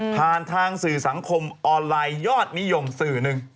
ผ่านทางสื่อสังคมออนไลน์ยอดนิยมสื่อหนึ่ง